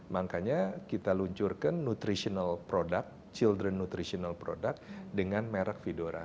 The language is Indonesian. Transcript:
makanya kita luncurkan nutritional product children nutritional product dengan merek fidoran